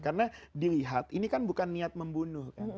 karena dilihat ini kan bukan niat membunuh